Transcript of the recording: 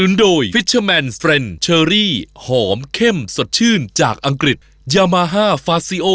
นี่ซอสไปออกข่าวมาจากไหนครับเนี่ย